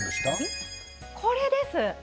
これです。